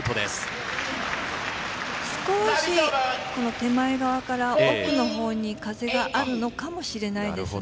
少し手前側から奥の方に風があるのかもしれないですね。